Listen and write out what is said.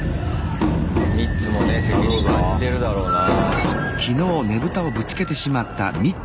ミッツもね責任感じてるだろうな。